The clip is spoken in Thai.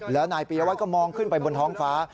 แล้วนายปียวัตรก็มองขึ้นไปบนท้องฟ้า